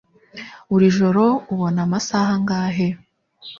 Buri joro ubona amasaha angahe?